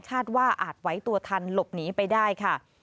ว่าอาจไว้ตัวทันหลบหนีไปได้ค่ะ